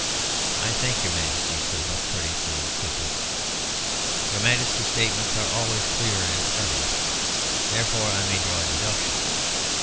"I thank your Majesty," said Buck, courteously, but quickly. "Your Majesty's statements are always clear and studied; therefore I may draw a deduction.